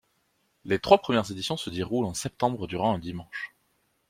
Les trois premières éditions se déroulent en septembre durant un dimanche.